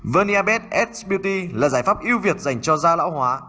verniabed s beauty là giải pháp ưu việt dành cho da lão hóa